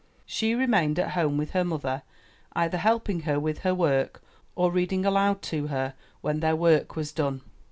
She remained at home with her mother, either helping her with her work or reading aloud to her when their work was done.